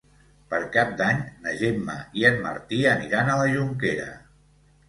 Per Cap d'Any na Gemma i en Martí aniran a la Jonquera.